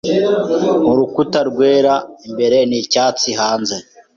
Urukuta rwera imbere n'icyatsi hanze.